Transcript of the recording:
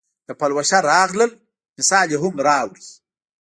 د پلوشه راغلل مثال یې هم راووړ.